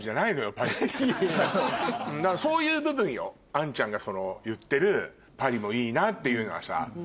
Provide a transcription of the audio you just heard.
杏ちゃんが言ってるパリもいいなっていうのはさ。